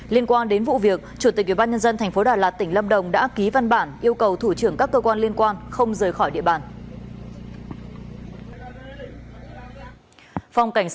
liên quan đến vụ việc chủ tịch ubnd tp đà lạt tỉnh lâm đồng đã ký văn bản yêu cầu thủ trưởng các cơ quan liên quan không rời khỏi địa bàn